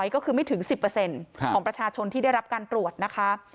ก็คือไม่ถึง๑๐ของประชาชนที่ได้รับการตรวจนะคะ